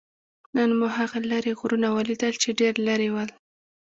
نن مو هغه لرې غرونه ولیدل؟ چې ډېر لرې ول.